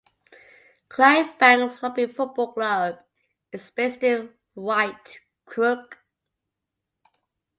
Clydebank's Rugby Football Club is based in Whitecrook.